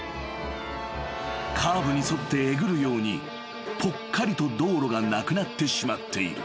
［カーブに沿ってえぐるようにぽっかりと道路がなくなってしまっている］